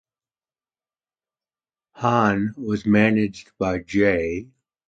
Han was managed by J.